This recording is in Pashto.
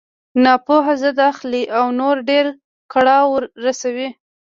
ناپوه ضد اخلي او نور ډېر کړاو رسوي.